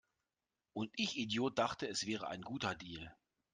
Und ich Idiot dachte, es wäre ein guter Deal!